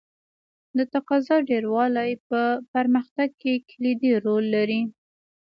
د تقاضا ډېروالی په پرمختګ کې کلیدي رول لري.